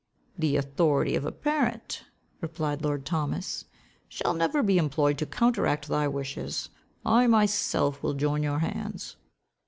"The authority of a parent," replied lord Thomas, "shall never more be employed to counteract thy wishes. I myself will join your hands."